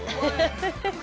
フフフ。